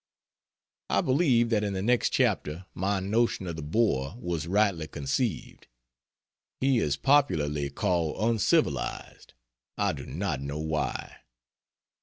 I believe that in the next chapter my notion of the Boer was rightly conceived. He is popularly called uncivilized, I do not know why.